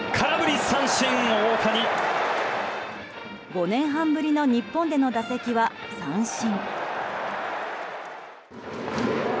５年半ぶりの日本での打席は三振。